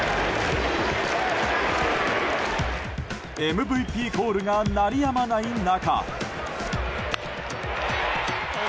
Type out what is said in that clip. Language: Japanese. ＭＶＰコールが鳴りやまない中。